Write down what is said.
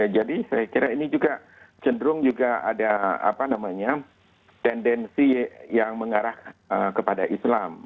jadi saya kira ini juga cenderung ada tendensi yang mengarah kepada islam